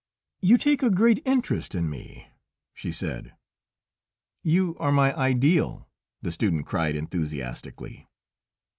"You take a great interest in me?" she said. "You are my ideal!" the student cried enthusiastically.